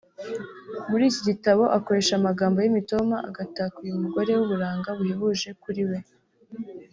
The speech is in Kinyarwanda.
muri iki gitabo akoresha amagambo y’imitoma agataka uyu mugore w’uburanga buhebuje kuri we